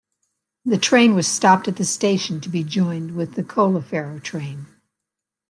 The train was stopped at the station to be joined with the Colleferro train.